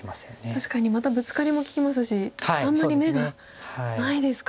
確かにまたブツカリも利きますしあんまり眼がないですか。